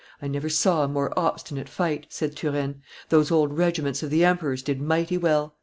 "I never saw a more obstinate fight," said Turenne: "those old regiments of the emperor's did mighty well."